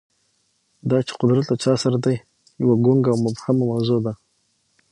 دا چې قدرت له چا سره دی، یوه ګونګه او مبهمه موضوع ده.